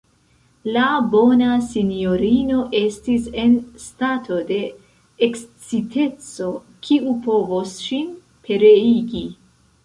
La bona sinjorino estis en stato de eksciteco, kiu povos ŝin pereigi.